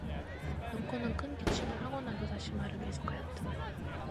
덕호는 큰기침을 하고 나서 다시 말을 계속하였다.